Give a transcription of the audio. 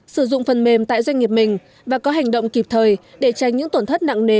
sử dụng phần mềm tại doanh nghiệp mình và có hành động kịp thời để tránh những tổn thất nặng nề